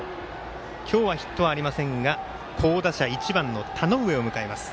今日はヒットありませんが好打者１番の田上を迎えます。